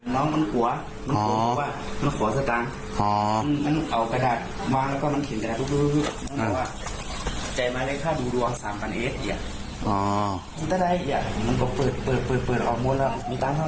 แล้วก็การเริ่มมดทั้ง๖๐๐บาท